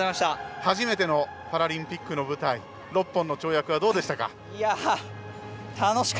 初めてのパラリンピックの舞台６本の跳躍はどうでしたか？